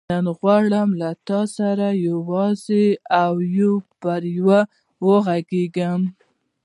نن غواړم له تا سره یوازې او یو پر یو وغږېږم.